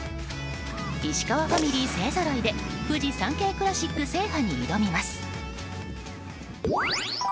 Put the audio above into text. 石川ファミリー勢ぞろいでフジサンケイクラシック制覇に挑みます。